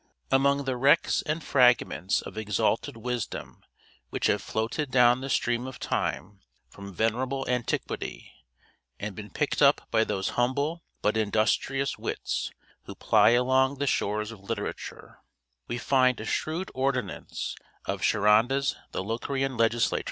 Among the wrecks and fragments of exalted wisdom which have floated down the stream of time from venerable antiquity, and been picked up by those humble but industrious wights who ply along the shores of literature, we find a shrewd ordinance of Charondas the Locrian legislator.